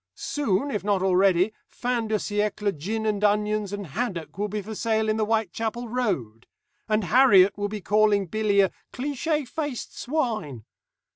Soon, if not already, fin de siècle gin and onions and haddocks will be for sale in the Whitechapel road, and Harriet will be calling Billy a "cliché faced swine."